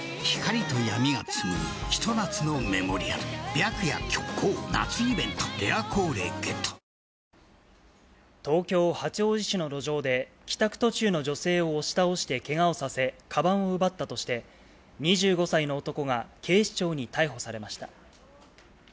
一方、厚生労働省によりますと、東京・八王子市の路上で、帰宅途中の女性を押し倒してけがをさせ、かばんを奪ったとして、２５歳の男が警視庁に逮捕されました。